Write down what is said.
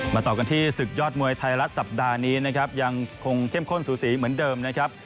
ต่อกันที่ศึกยอดมวยไทยรัฐสัปดาห์นี้นะครับยังคงเข้มข้นสูสีเหมือนเดิมนะครับ